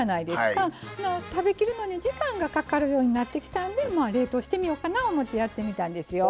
食べきるのに時間がかかるようになってきたんで冷凍してみようかな思うてやってみたんですよ。